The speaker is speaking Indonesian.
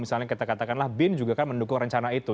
misalnya kita katakanlah bin juga kan mendukung rencana itu